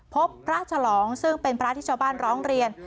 พบพระฉลองซึ่งเป็นพระที่ชาวบ้านร้องเรียน